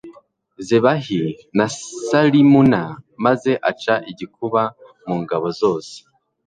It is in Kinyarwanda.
zebahi na salimuna, maze aca igikuba mu ngabo zose